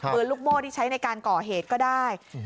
ลูกโม่ที่ใช้ในการก่อเหตุก็ได้